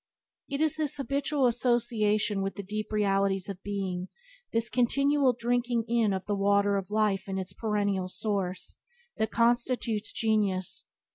It is this habitual association with the deep realities of being, this continual drinking in of the Water of Life at its perennial source, that constitutes genius.